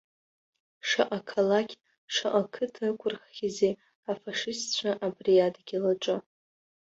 Шаҟа қалақь, шаҟа қыҭа ықәырхызеи афашистцәа абри адгьыл аҿы.